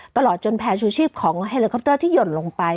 ตลอดจนแพร่ชูชีพของเฮลิคอปเตอร์ที่หย่นลงไป